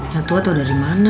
ya tuhan tuh udah dari mana